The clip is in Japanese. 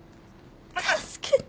助けて。